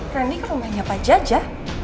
randy ke rumahnya pak jaja